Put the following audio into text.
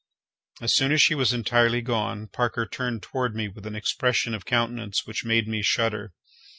As soon as she was entirely gone, Parker turned suddenly toward me with an expression of countenance which made me shudder.